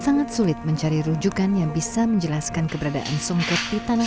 sangat sulit mencari rujukan yang bisa menjelaskan keberadaan sungkot di tanah air